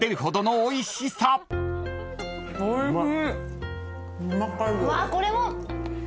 おいしい。